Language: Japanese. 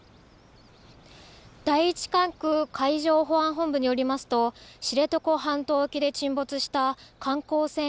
第１管区海上保安本部によりますと知床半島沖で沈没した観光船